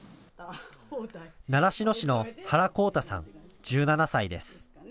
習志野市の原こうたさん、１７歳です。